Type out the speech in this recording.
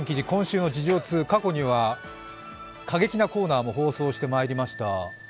今週の事情通、過去には過激なコーナーも放送してまいりました。